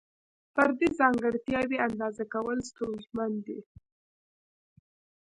فردي ځانګړتیاوې اندازه کول ستونزمن دي.